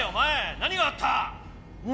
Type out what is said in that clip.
何があった？